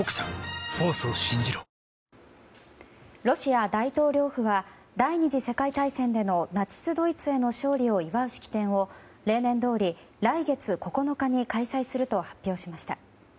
ロシア大統領府は第２次世界大戦でのナチスドイツへの勝利を祝う式典を例年どおり来月９日に開催すると発表しました。